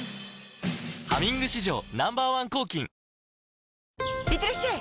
「ハミング」史上Ｎｏ．１抗菌いってらっしゃい！